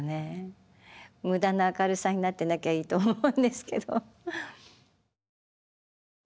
無駄な明るさになってなきゃいいと思うんですけど。